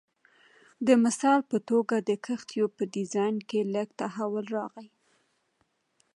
د مثال په توګه د کښتیو په ډیزاین کې لږ تحول راغی